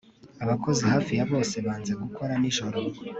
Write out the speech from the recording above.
Abakozi hafi ya bose banze gukora nijoro